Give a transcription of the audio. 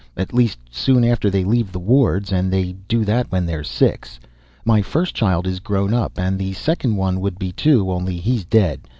"At least soon after they leave the wards. And they do that when they're six. My first child is grown up, and the second one would be, too, only he's dead.